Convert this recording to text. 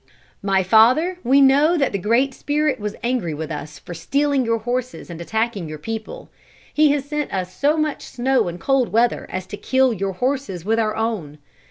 "My father, we know that the Great Spirit was angry with us for stealing your horses and attacking your people. He has sent us so much snow and cold weather as to kill your horses with our own.